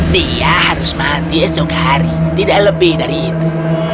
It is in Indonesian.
dia harus mati esok hari tidak lebih dari itu